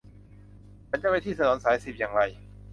ฉันจะไปที่ถนนสายสิบอย่างไร